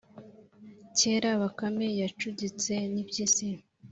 kera bakame yacuditse n’impyisi